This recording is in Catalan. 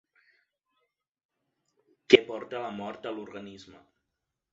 Que porta la mort a l'organisme.